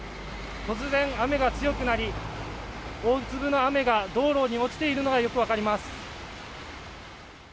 突然、雨が強くなり大粒の雨が道路に落ちているのがよく分かります。